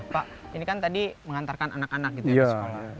pak ini kan tadi mengantarkan anak anak gitu ya di sekolah